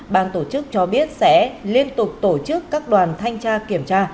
ban tổ chức cho biết sẽ liên tục tổ chức các đoàn thanh tra kiểm tra